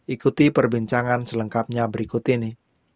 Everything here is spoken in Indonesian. ikuti perbincangan selengkapnya berikut ini